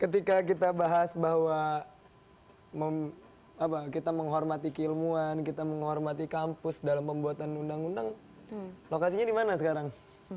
ketika kita bahas bahwa kita menghormati keilmuan kita menghormati kampus dalam pembuatan undang undang lokasinya di mana sekarang